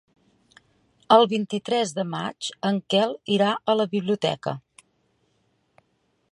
El vint-i-tres de maig en Quel irà a la biblioteca.